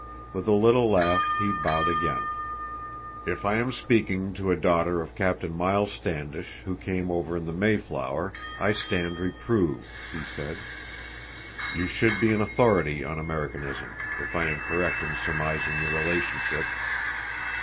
With a little laugh he bowed again. "If I am speaking to a daughter of Captain Miles Standish, who came over in the Mayflower, I stand reproved," he said. "You should be an authority on Americanism, if I am correct in surmising your relationship."